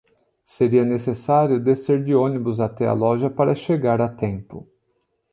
Seria necessário descer de ônibus até a loja para chegar a tempo.